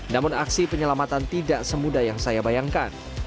namun aksi penyelamatan tidak semudah yang saya bayangkan